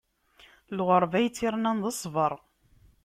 Lɣeṛba, ay tt-irnan, d ṣṣbeṛ.